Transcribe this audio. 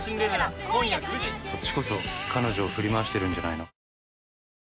「そっちこそ彼女を振り回してるんじゃないの？」